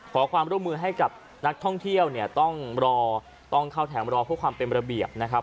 ขอความร่วมมือให้กับนักท่องเที่ยวเนี่ยต้องรอต้องเข้าแถมรอเพื่อความเป็นระเบียบนะครับ